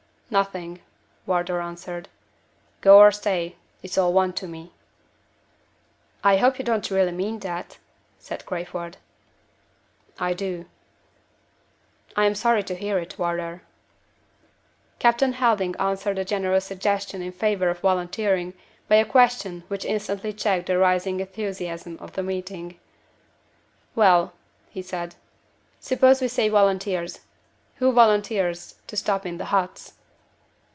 "Nothing," Wardour answered. "Go or stay, it's all one to me." "I hope you don't really mean that?" said Crayford. "I do." "I am sorry to hear it, Wardour." Captain Helding answered the general suggestion in favor of volunteering by a question which instantly checked the rising enthusiasm of the meeting. "Well," he said, "suppose we say volunteers. Who volunteers to stop in the huts?"